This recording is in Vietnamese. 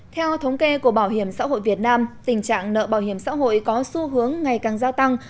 theo thống kê của bảo hiểm xã hội việt nam tình trạng nợ bảo hiểm xã hội có xu hướng ngày càng gia tăng